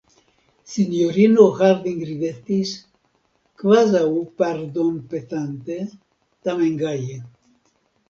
Sinjorino Harding ridetis, kvazaŭ pardonpetante, tamen gaje: